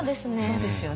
そうですよね。